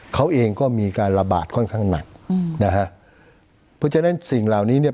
เขาเองก็มีการระบาดค่อนข้างหนักอืมนะฮะเพราะฉะนั้นสิ่งเหล่านี้เนี่ย